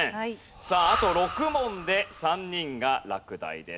さああと６問で３人が落第です。